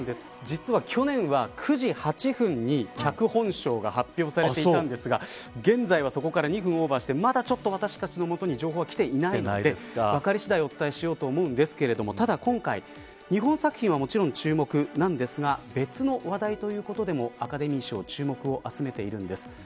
実は去年は９時８分に脚本賞が発表されていたんですが現在はそこから２分オーバーしてまだ、ちょっと私たちのもとに情報はきていないですが分かり次第お伝えしようと思いますが今回、日本作品はもちろん注目なんですが別の話題でもアカデミー賞は注目を集めているんです。